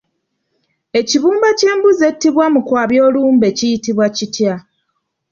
Ekibumba ky'embuzi ettibwa mu kwabya olumbe kiyitibwa kitya?